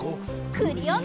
クリオネ！